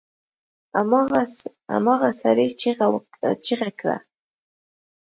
هماغه سړي چيغه کړه!